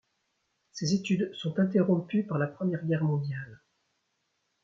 Ses études sont interrompues par la Première Guerre mondiale.